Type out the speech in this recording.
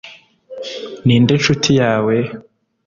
ni nde ncuti yawe